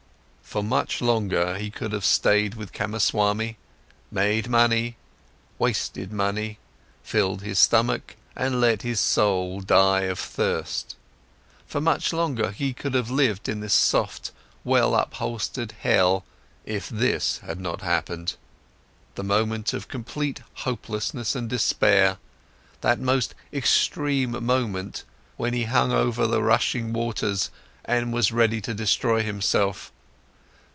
For much longer, he could have stayed with Kamaswami, made money, wasted money, filled his stomach, and let his soul die of thirst; for much longer he could have lived in this soft, well upholstered hell, if this had not happened: the moment of complete hopelessness and despair, that most extreme moment, when he hung over the rushing waters and was ready to destroy himself.